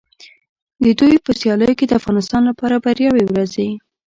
د دوی په سیالیو کې د افغانستان لپاره بریاوې ورځي.